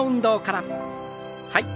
はい。